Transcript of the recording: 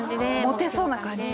モテそうな感じ？